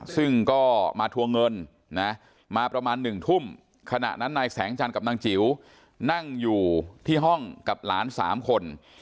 ซึ่งก็มาทวงเงินนะมาประมาณ๑ทุ่มขณะนั้นนายแสงจันทร์กับนางจิ๋วนั่งอยู่ที่ห้องกับหลาน๓คน